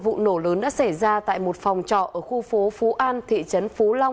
vụ nổ lớn đã xảy ra tại một phòng trọ ở khu phố phú an thị trấn phú long